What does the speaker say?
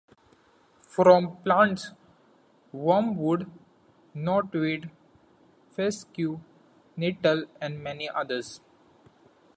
From plants: wormwood, knotweed, fescue, nettle and many others.